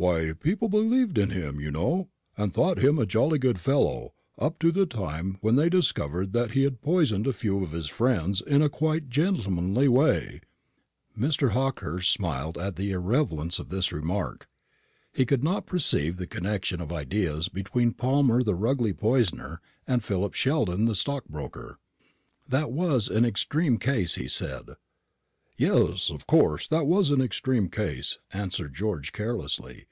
"Why, people believed in him, you know, and thought him a jolly good fellow, up to the time when they discovered that he had poisoned a few of his friends in a quiet gentlemanly way." Mr. Hawkehurst smiled at the irrelevance of this remark. He could not perceive the connection of ideas between Palmer the Rugely poisoner, and Philip Sheldon the stockbroker. "That was an extreme case," he said. "Yes; of course that was an extreme case," answered George, carelessly.